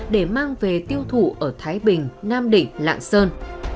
để mang về tiêu thụ ở thái bình nam định lạng sơn